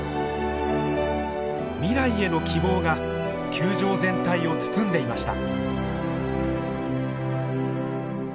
未来への希望が球場全体を包んでいました。